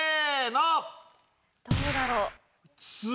どうだろう？